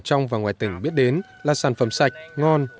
trong và ngoài tỉnh biết đến là sản phẩm sạch ngon